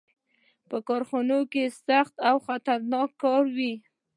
• په کارخانو کې سخت او خطرناک کار و.